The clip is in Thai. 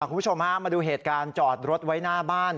คุณผู้ชมฮะมาดูเหตุการณ์จอดรถไว้หน้าบ้าน